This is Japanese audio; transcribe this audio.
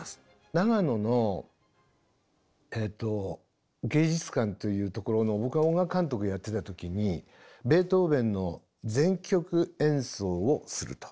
長野の芸術館というところの僕は音楽監督やってた時にベートーヴェンの全曲演奏をすると。